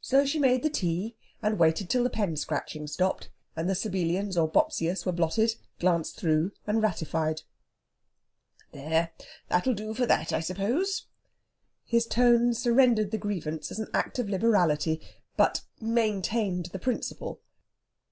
So she made the tea, and waited till the pen scratching stopped, and the Sabellians or Bopsius were blotted, glanced through, and ratified. "There, that'll do for that, I suppose." His tone surrendered the grievance as an act of liberality, but maintained the principle.